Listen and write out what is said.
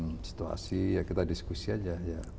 perkembangan situasi ya kita diskusi saja